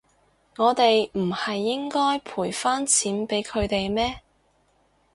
我哋唔係應該賠返錢畀佢哋咩？